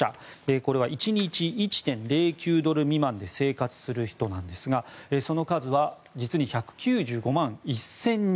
これは１日を１．０９ドル未満で生活する人ですがその数は実に１９５万１０００人。